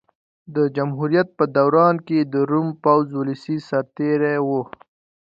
د جمهوریت په دوران کې د روم پوځ ولسي سرتېري وو